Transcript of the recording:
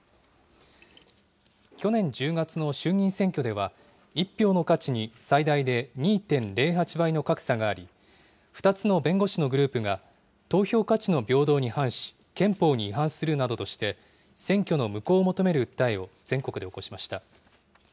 去年１０月の衆議院選挙では、１票の価値に最大で２．０８倍の格差があり、２つの弁護士のグループが、投票価値の平等に反し、憲法に違反するなどとして、選挙の無効を求める訴えを全国で起こしました。